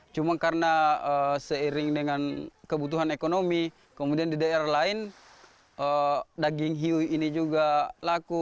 cuma karena seiring dengan kebutuhan ekonomi kemudian di daerah lain daging hiu ini juga laku